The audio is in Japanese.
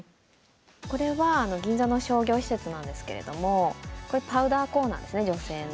これは銀座の商業施設なんですけれどもこれパウダーコーナーですね女性の。